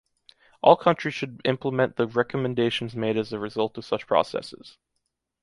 All countries should implement the recommendations made as a result of such processes.